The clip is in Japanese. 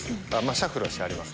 シャッフルはしてあります。